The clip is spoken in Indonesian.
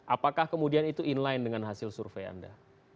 apakah kemudian itu inline dengan hasil survei anda